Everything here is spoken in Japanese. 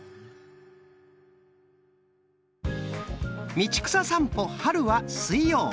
「道草さんぽ・春」は水曜。